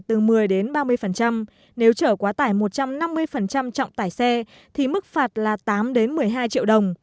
từ một mươi ba mươi nếu trở quá tải một trăm năm mươi trọng tải xe thì mức phạt là tám một mươi hai triệu đồng